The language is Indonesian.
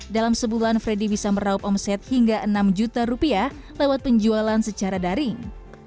dalam sebulan freddy bisa meraup omset hingga enam juta rupiah lewat penjualan secara daring